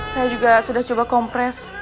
saya juga sudah coba kompres